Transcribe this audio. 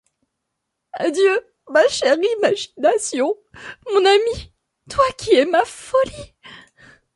Adieu, ma chère imagination, mon amie, toi qui es ma folie!